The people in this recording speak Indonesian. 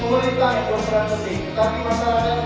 untuk mengedukasi di setiap masyarakat